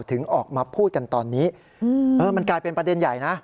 ถึงออกมาพูดกันตอนนี้มันกลายเป็นประเด็นใหญ่นะ